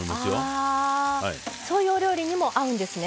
あそういうお料理にも合うんですね。